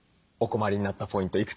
お困りになったポイント